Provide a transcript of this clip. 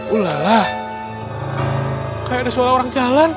ulah lah kayak ada suara orang jalan